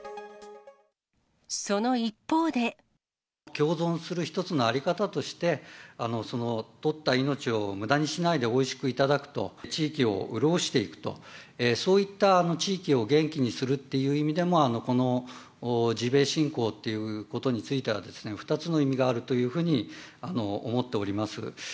その一方で。共存する一つの在り方として、その取った命をむだにしないで、おいしく頂くと、地域を潤していくと、そういった地域を元気にするっていう意味でも、このジビエ振興っていうことについては、２つの意味があるというふうに思っております。